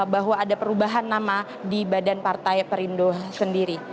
bahwa ada perubahan nama di badan partai perindo sendiri